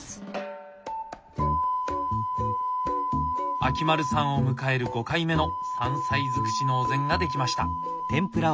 秋丸さんを迎える５回目の山菜尽くしのお膳が出来ました！